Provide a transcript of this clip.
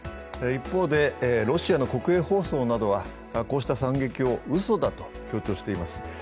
一方でロシアの国営放送などはこうした惨劇をうそだと強調しています。